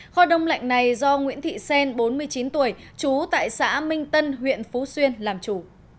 kho đông lạnh này do nguyễn thị xen bốn mươi chín tuổi trú tại xã minh tân huyện phú xuyên làm chủ